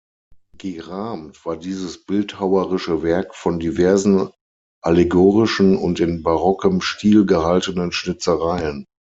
Gerahmt war dieses bildhauerische Werk von diversen allegorischen und in barockem Stil gehaltenen Schnitzereien.